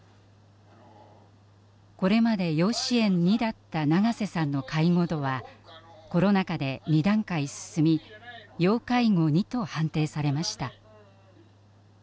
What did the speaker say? これまで要支援２だった長瀬さんの介護度はコロナ禍で２段階進み要介護２と判定されました。